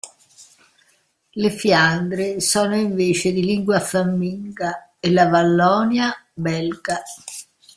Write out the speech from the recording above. Le Fiandre sono invece di lingua fiamminga e la Vallonia belga.